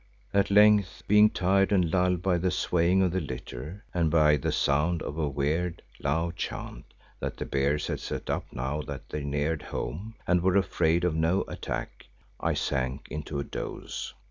At length, being tired and lulled by the swaying of the litter and by the sound of a weird, low chant that the bearers had set up now that they neared home and were afraid of no attack, I sank into a doze.